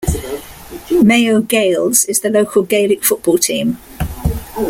Mayo Gaels is the local Gaelic football team.